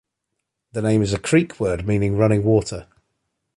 The name is a Creek word meaning running water.